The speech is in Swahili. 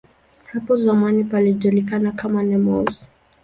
Hapo zamani palijulikana kama "Nemours".